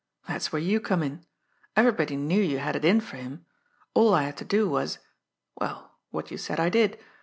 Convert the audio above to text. "That's where you come in. Everybody knew you had it in for him. All I had to do was well, what you said I did.